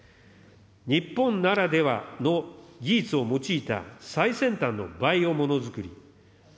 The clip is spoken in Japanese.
日本ならではの技術を用いた最先端のバイオものづくり。